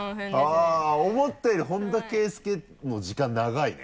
あぁ思ったより本田圭佑の時間長いね。